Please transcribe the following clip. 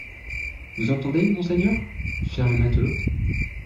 Vous entendez, monseigneur ? firent les matelots.